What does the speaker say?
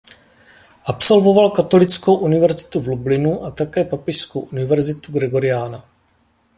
Absolvoval Katolickou univerzitu v Lublinu a také Papežskou univerzitu Gregoriana.